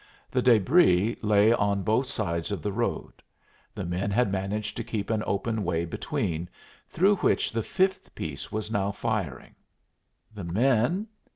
The débris lay on both sides of the road; the men had managed to keep an open way between, through which the fifth piece was now firing. The men?